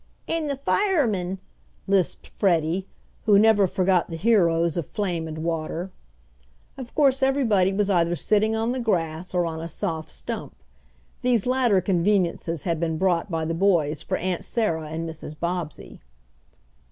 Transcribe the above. "And the firemen'" lisped Freddie, who never forgot the heroes of flame and water. Of course everybody was either sitting on the grass or on a "soft stump." These latter conveniences had been brought by the boys for Aunt Sarah and Mrs. Bobbsey.